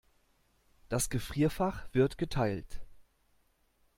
Das Gefrierfach wird geteilt.